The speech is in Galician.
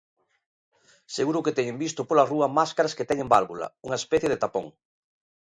Seguro que teñen visto pola rúa máscaras que teñen válvula: unha especie de tapón.